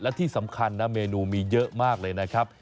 และที่สำคัญนะเมนูมีเยอะมากเลยนะครับ